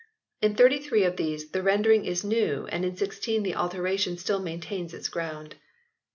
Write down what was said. In thirty three of these the rendering is new, and in sixteen the alteration still maintains its ground.